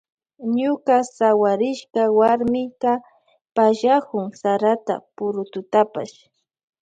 Ñuka sawarishka warmika pallakun sarata purututapash.